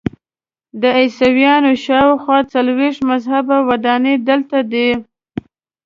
د عیسویانو شاخوا څلویښت مذهبي ودانۍ دلته دي.